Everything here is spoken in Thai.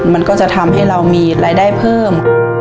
มันก็จะทำให้เรามีรายได้เพิ่ม